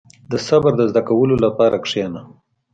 • د صبر د زده کولو لپاره کښېنه.